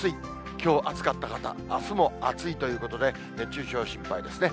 きょう暑かった方、あすも暑いということで、熱中症心配ですね。